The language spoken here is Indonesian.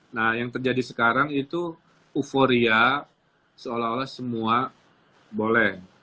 nah yang terjadi sekarang itu euforia seolah olah semua boleh